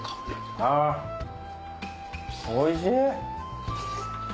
あおいしい！